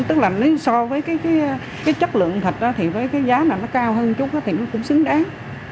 tức là nếu so với cái chất lượng thịt đó thì với cái giá mà nó cao hơn chút thì nó cũng xứng đáng